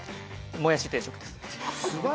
もやし定食です